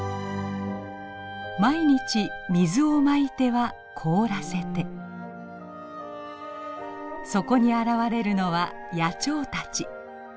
毎日水をまいては凍らせてそこに現れるのは野鳥たち。